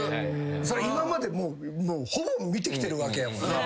それ今までほぼ見てきてるわけやもん。